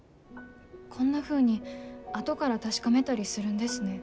こんなふうに後から確かめたりするんですね。